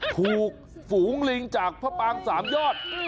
ถูกฝูงลิงจากพระปางสามยอด